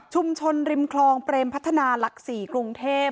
ชุมชนริมคลองเปรมพัฒนาหลักศรีกรุงเทพ